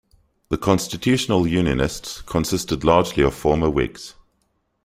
The Constitutional Unionists consisted largely of former Whigs.